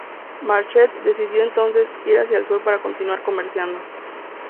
Marchand decidió entonces ir hacia el sur para continuar comerciando.